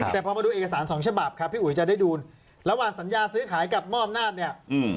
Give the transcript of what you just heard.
แต่พอมาดูเอกสารสองฉบับครับพี่อุ๋ยจะได้ดูระหว่างสัญญาซื้อขายกับมอบอำนาจเนี่ยอืม